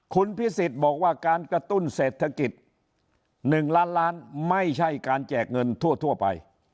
คุณพิสิทธิ์บอกว่าการกระตุ้นเศรษฐกิจ๑ล้านล้านไม่ใช่การแจกเงินทั่วไป